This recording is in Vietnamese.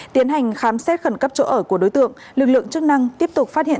tiến hành khám xét khẩn cấp chỗ ở của đối tượng lực lượng chức năng tiếp tục phát hiện